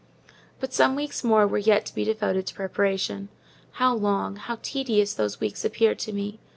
But some weeks more were yet to be devoted to preparation. How long, how tedious those weeks appeared to me!